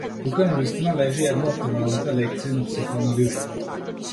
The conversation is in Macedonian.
Тука навистина лежи една од темелните лекции на психоанализата.